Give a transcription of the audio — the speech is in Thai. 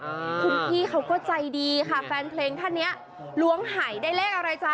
คุณพี่เขาก็ใจดีค่ะแฟนเพลงท่านเนี้ยล้วงหายได้เลขอะไรจ๊ะ